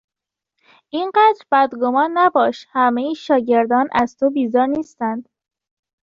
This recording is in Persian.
اینقدر بدگمان نباش، همهی شاگردان از تو بیزار نیستند!